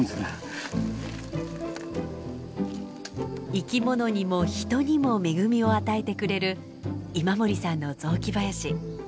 生き物にも人にも恵みを与えてくれる今森さんの雑木林。